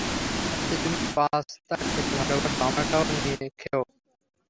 মনে হচ্ছে তুমি পাস্তা খেতে ভালোবাসো, আমারটাও খেয়ে নিও।